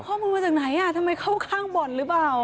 ข้อมูลมาจากไหนทำไมเข้าข้างบ่อนหรือเปล่า